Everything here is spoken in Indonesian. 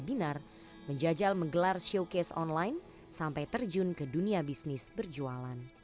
binar menjajal menggelar showcase online sampai terjun ke dunia bisnis berjualan